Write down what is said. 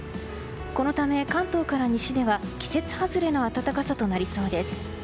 このため関東から西では季節外れの暖かさとなりそうです。